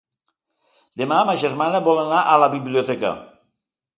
Demà ma germana vol anar a la biblioteca.